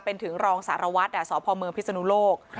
เป็นถึงรองสารวัตรอ่าสคพพิศนุโลก